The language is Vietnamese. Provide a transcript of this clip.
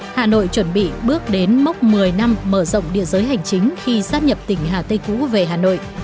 hà nội chuẩn bị bước đến mốc một mươi năm mở rộng địa giới hành chính khi xác nhập tỉnh hà tây cũ về hà nội